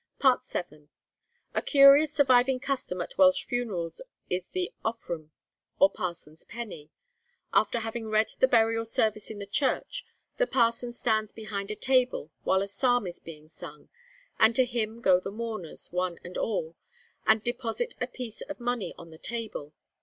VII. A curious surviving custom at Welsh funerals is the Offrwm, or parson's penny. After having read the burial service in the church, the parson stands behind a table while a psalm is being sung, and to him go the mourners, one and all, and deposit a piece of money on the table.